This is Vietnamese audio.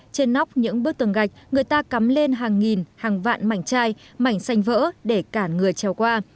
trên nóc những bức tường gạch người ta cắm lên hàng nghìn hàng vạn mảnh chai mảnh xanh vỡ để cản người treo qua